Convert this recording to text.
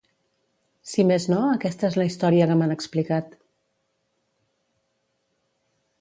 Si més no aquesta és la història que m'han explicat.